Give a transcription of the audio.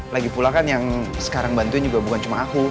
lagi pula kan yang sekarang bantuin juga bukan cuma aku